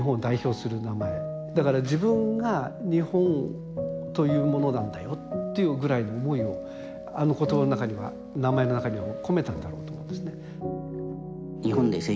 だから自分が日本というものなんだよっていうぐらいの思いをあの言葉の中には名前の中にも込めたんだろうと思うんですね。